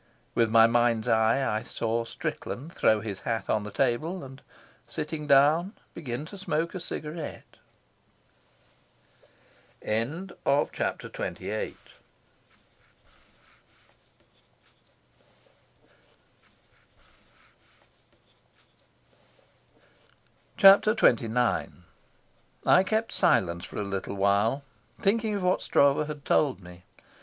With my mind's eye I saw Strickland throw his hat on a table, and, sitting down, begin to smoke a cigarette. Chapter XXIX I kept silence for a little while, thinking of what Stroeve had told me.